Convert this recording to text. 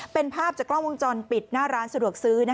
เป็นภาพจากกล้องวงจรปิดหน้าร้านสะดวกซื้อ